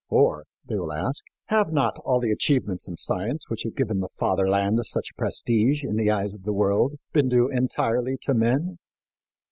"For," they will ask, "have not all the achievements in science which have given the Fatherland such prestige in the eyes of the world been due entirely to men?